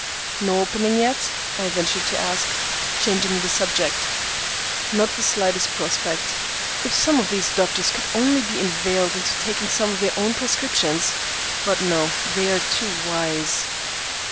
"No opening yet?" I ventured to ask, changing the subject. "Not the slightest prospect. If some of these doctors could only be inveigled into taking some of their own prescriptions! But no; they are too wise."